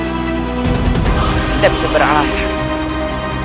kita bisa beralasan